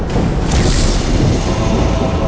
maupun kata allah